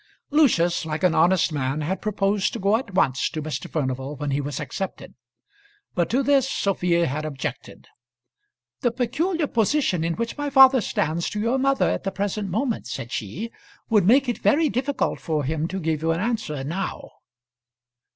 Lucius, like an honest man, had proposed to go at once to Mr. Furnival when he was accepted; but to this Sophia had objected, "The peculiar position in which my father stands to your mother at the present moment," said she, "would make it very difficult for him to give you an answer now."